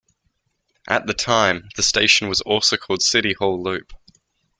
At the time, the station was also called City Hall Loop.